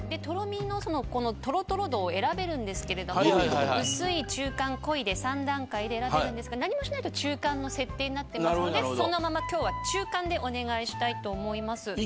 とろみのとろとろ度を選べるんですけど薄い、中間、濃いで３段階で選べるんですが何もしないと中間の設定になってますのでそのまま今日は中間でお願いしたいと思います。